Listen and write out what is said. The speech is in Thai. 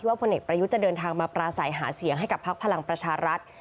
พลเอกประยุทธ์จะเดินทางมาปราศัยหาเสียงให้กับพักพลังประชารัฐ